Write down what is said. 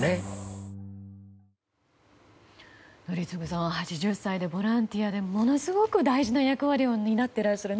宜嗣さん８０歳でボランティアでものすごく大事な役割を担ってらっしゃる。